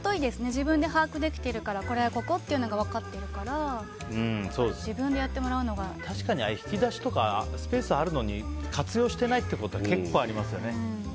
自分で把握できているからこれはここっていうのが分かってるから確かに引き出しとかスペースがあるのに活用していないってこと結構ありますよね。